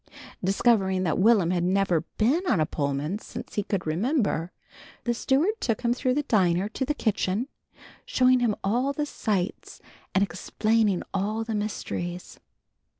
Discovering that Will'm had never been on a Pullman since he could remember, the steward took him through the diner to the kitchen, showing him all the sights and explaining all the mysteries.